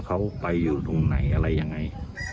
เขาไปอยู่ตรงไหนอะไรยังไง